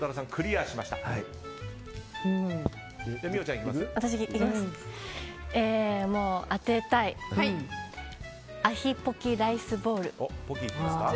アヒポキライスボウル。